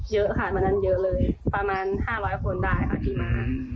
เยอะค่ะตอนนั้นเยอะเลยประมาณ๕๐๐คนได้ค่ะที่มา